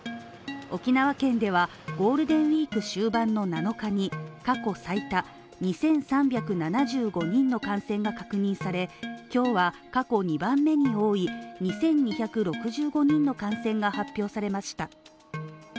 沖縄県では、ゴールデンウイーク終盤の７日に過去最多、２３７５人の感染が確認され、今日は過去２番目に多い２２６５人の感染が発表されました。